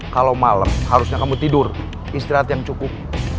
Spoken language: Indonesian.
kalau malam harusnya kamu tidur istirahat yang cukup